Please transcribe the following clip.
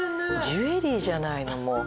ジュエリーじゃないのもう。